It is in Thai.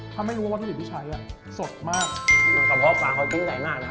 ถ้าไม่รู้ว่าว่าที่พี่ใช้สดมากกลับข้อปลาเขาดูใหญ่มากนะครับ